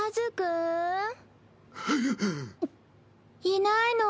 いないの？